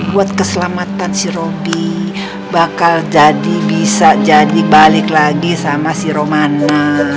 buat keselamatan si robi bakal jadi bisa jadi balik lagi sama si romannya